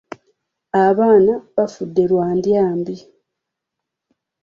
Abaana bafudde lwa ndya mbi.